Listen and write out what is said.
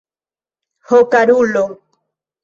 Ho, karulo!